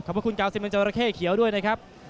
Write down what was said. ขอบคุณกาวซิเมนจอราเข้เขียวด้วยนะครับ